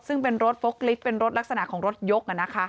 ซึ่งเป็นรถฟกลิฟต์เป็นรถลักษณะของรถยก